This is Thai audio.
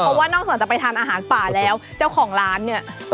เพราะว่านอกจากจะไปทานอาหารป่าแล้วเจ้าของร้านเนี่ย